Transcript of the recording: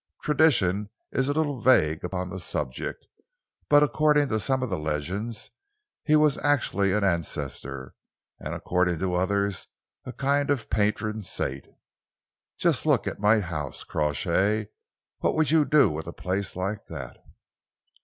Tradition is a little vague upon the subject, but according to some of the legends he was actually an ancestor, and according to others a kind of patron saint.... Just look at my house, Crawshay! What would you do with a place like that?"